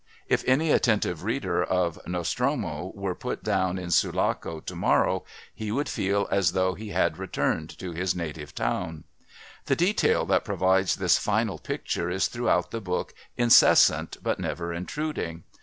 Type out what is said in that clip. If any attentive reader of Nostromo were put down in Sulaco tomorrow he would feel as though he had returned to his native town. The detail that provides this final picture is throughout the book incessant but never intruding.